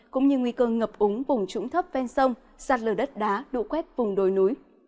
cũng như nguy cơ ngập úng vùng trũng thấp ven sông sạt lở đất đá đụ quét vùng đồi núi